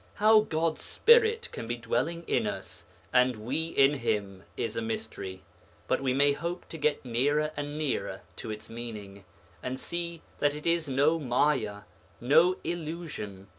How God's Spirit can be dwelling in us and we in Him, is a mystery, but we may hope to get nearer and nearer to its meaning, and see that it is no Maya, no illusion.